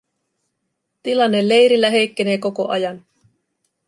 Tilanne leirillä heikkenee koko ajan.